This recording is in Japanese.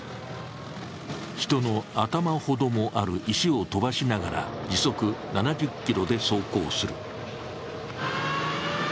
人の頭ほどもある石を飛ばしながら時速７０キロで走行する。